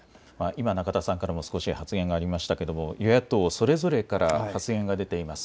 今、中田さんからも少し発言がありましたが与野党それぞれから発言が出ています。